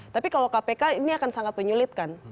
tapi kalau kpk ini akan sangat menyulitkan